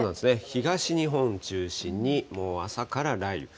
東日本中心に、もう朝から雷雨。